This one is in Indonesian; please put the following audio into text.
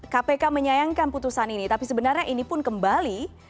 kpk menyayangkan putusan ini tapi sebenarnya ini pun kembali